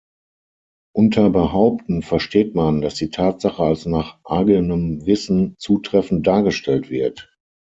Unter „Behaupten“ versteht man, dass die Tatsache als nach eigenem Wissen zutreffend dargestellt wird.